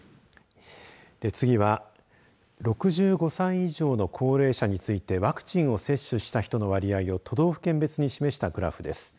次は６５歳以上の高齢者についてワクチンを接種した人の割合を都道府県別に示したグラフです。